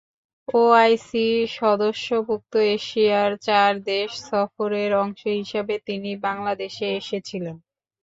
OIC সদস্যভুক্ত এশিয়ার চার দেশ সফরের অংশ হিসেবে তিনি বাংলাদেশে এসেছিলেন।